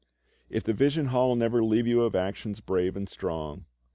If the vision hall never leave you Of actions brave and strong.